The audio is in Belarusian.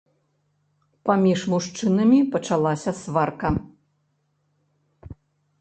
Паміж мужчынамі пачалася сварка.